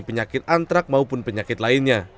penyakit antrak maupun penyakit lainnya